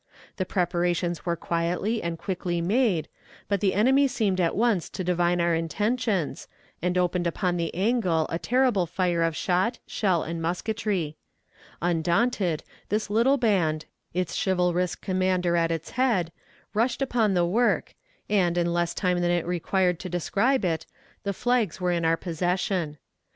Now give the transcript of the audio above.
The preparations were quietly and quickly made, but the enemy seemed at once to divine our intentions, and opened upon the angle a terrible fire of shot, shell, and musketry. Undaunted, this little band, its chivalrous commander at its head, rushed upon the work, and, in less time than it required to describe it, the flags were in our possession.